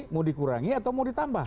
mau dikurangi atau mau ditambah